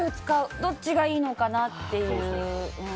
どっちがいいのかなっていう。